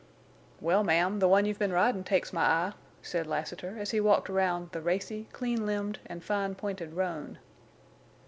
"Well, ma'am, the one you've been ridin' takes my eye," said Lassiter, as he walked round the racy, clean limbed, and fine pointed roan.